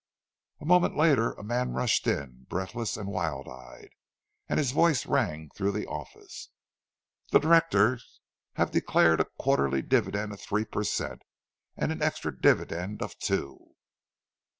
—A moment later a man rushed in, breathless and wild eyed, and his voice rang through the office, "The directors have declared a quarterly dividend of three per cent, and an extra dividend of two!"